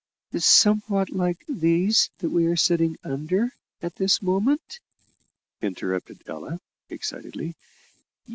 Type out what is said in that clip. "Somewhat like these that we are sitting under at this moment?" interrupted Ella excitedly.